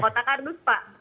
dua kota kardus pak